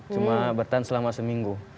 cuma bertahan selama seminggu